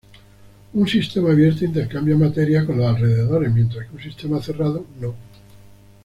Un sistema abierto intercambia materia con los alrededores, mientras que un sistema cerrado no.